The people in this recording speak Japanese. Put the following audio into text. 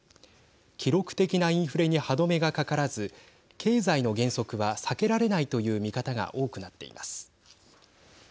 記録的なインフレに歯止めがかからず経済の減速は避けられないという見方が多くなっています。